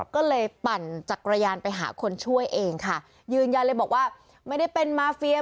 ก็เลยปั่นจักรยานไปหาคนช่วยเองค่ะยืนยันเลยบอกว่าไม่ได้เป็นมาเฟีย